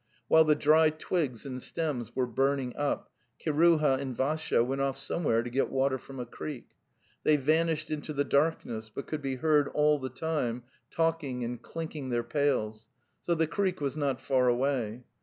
While the dry twigs and stems were burning up, Kiruha and Vassya went off somewhere to get water from a creek; they vanished into the darkness, but could be heard all the time talking and clinking their pails; so the creek was not far away.